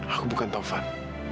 aku bukan taufan